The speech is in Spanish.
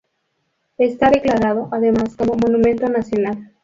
Está declarado además como Monumento Nacional.